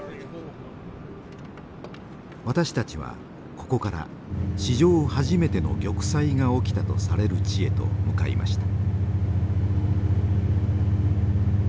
私たちはここから史上初めての玉砕が起きたとされる地へと向かいました。